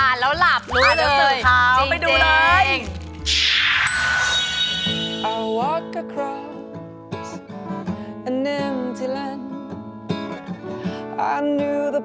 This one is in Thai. อ่านแล้วหลับรู้เลย